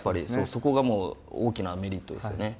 そこがもう大きなメリットですよね。